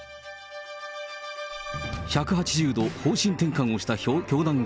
１８０度方針転換をした教団側。